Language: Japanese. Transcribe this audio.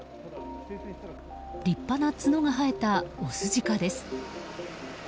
立派な角が生えたオスジカです。